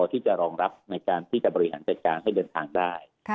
ที่จะรองรับในการที่จะบริหารจัดการให้เดินทางได้